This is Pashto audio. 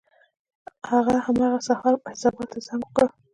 هغه همغه سهار فیض اباد ته زنګ وکړ.